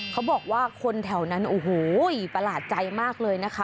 เขาบอกว่าคนแถวนั้นโอ้โหประหลาดใจมากเลยนะคะ